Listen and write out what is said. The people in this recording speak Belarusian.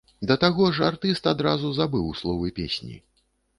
Да таго ж, артыст адразу забыў словы песні.